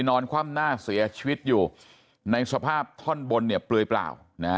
นอนควรับหน้าเสียชีวิตอยู่ในสภาพชาน้ำบนปลื้อยเปล่า